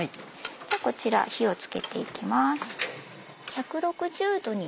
こちら火をつけていきます。